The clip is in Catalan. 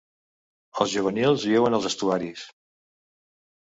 Els juvenils viuen als estuaris.